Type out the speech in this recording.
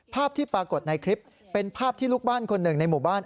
ภาพที่ปรากฏในคลิปเป็นภาพที่ลูกบ้านคนหนึ่งในหมู่บ้าน